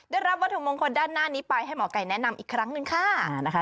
ได้รับวัตถุมงคลด้านหน้านี้ไปให้หมอไก่แนะนำอีกครั้งหนึ่งค่ะนะคะ